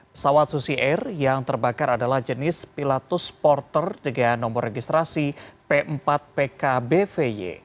pesawat susi air yang terbakar adalah jenis pilatus porter dengan nomor registrasi p empat pkbvy